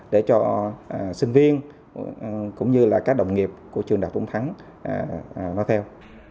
để cho sinh viên cũng như là các đồng nghiệp của trường đại học tôn thắng nói theo